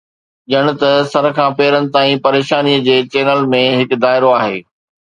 ڄڻ ته سر کان پيرن تائين پريشانيءَ جي چينل ۾ هڪ دائرو آهي